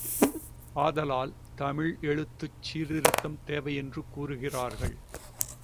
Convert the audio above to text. ஆதலால், தமிழ் எழுத்துச் சீர்திருத்தம் தேவை என்று கூறுகிறார்கள்.